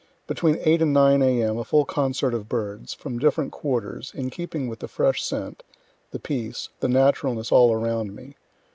Between 8 and 9 A.M. a full concert of birds, from different quarters, in keeping with the fresh scent, the peace, the naturalness all around me.